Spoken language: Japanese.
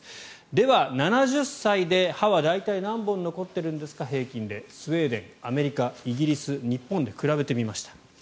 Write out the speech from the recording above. では、７０歳で歯は大体平均で何本残っているんですかスウェーデン、アメリカイギリス、日本で比べてみました。